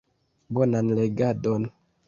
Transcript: Bonan legadon.